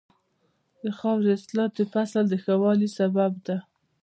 د خاورې اصلاح د فصل د ښه والي سبب ده.